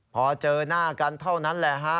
พอเจอหน้ากันเท่านั้นแหละฮะ